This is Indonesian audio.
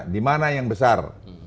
di mana yang besar